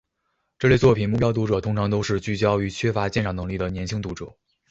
这类作品目标读者通常都是聚焦于缺乏鉴赏能力的年轻读者。